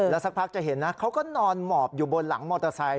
สักพักจะเห็นนะเขาก็นอนหมอบอยู่บนหลังมอเตอร์ไซค